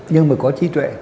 nhưng mà có trí tuệ